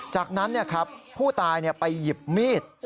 จากนั้นผู้ตายไปหยิบมีด